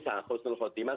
sangat khusus khusus